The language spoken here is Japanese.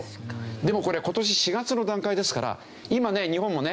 でもこれ今年４月の段階ですから今ね日本もね